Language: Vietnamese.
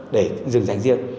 để dừng dành riêng